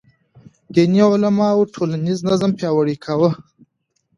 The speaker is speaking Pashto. دیني علماو ټولنیز نظم پیاوړی کاوه.